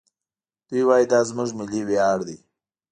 دوی وايي دا زموږ ملي ویاړ دی.